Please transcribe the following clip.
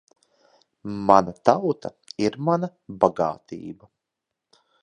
Mana tauta ir mana bagātība.